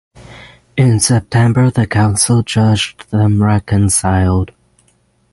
In September the council judged them reconciled.